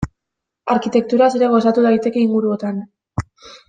Arkitekturaz ere gozatu daiteke inguruotan.